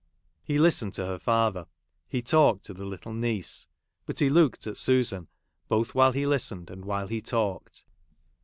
He listened to her father, he talked to the little niece, but he looked at Susan, both while he listened and while he talked.